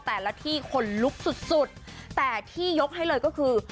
แต่ละที่คนลุกสุดสุดแต่ที่ยกให้เลยก็คือ